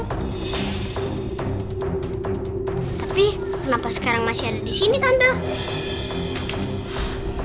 pee tapi kenapa sekarang masih ada di sini sampai